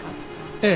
ええ。